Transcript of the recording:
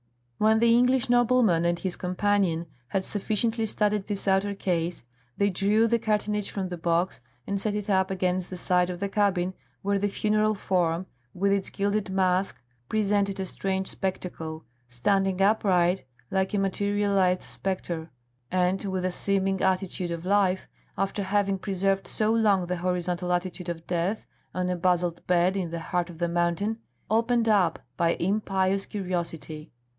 When the English nobleman and his companion had sufficiently studied this outer case, they drew the cartonnage from the box and set it up against the side of the cabin, where the funeral form, with its gilded mask, presented a strange spectacle, standing upright like a materialised spectre and with a seeming attitude of life, after having preserved so long the horizontal attitude of death on a basalt bed in the heart of the mountain, opened up by impious curiosity.